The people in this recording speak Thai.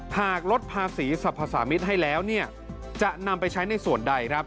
หากลดภาษีสรรพสามิตรให้แล้วจะนำไปใช้ในส่วนใดครับ